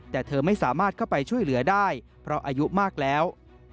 แต่เธอไม่สามารถเข้าไปช่วยเหลือได้เพราะอายุมากแล้ว